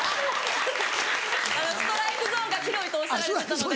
ストライクゾーンが広いとおっしゃられてたので。